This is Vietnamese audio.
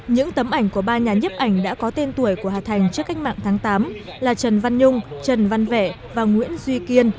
những tấm ảnh của ba nhà nhấp ảnh đã có tên tuổi của hà thành trước cách mạng tháng tám là trần văn nhung trần văn vẻ và nguyễn duy kiên